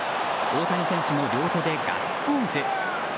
大谷選手も両手でガッツポーズ。